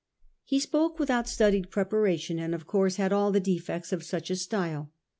He spoke without studied preparation, and of course had all the defects of such a style.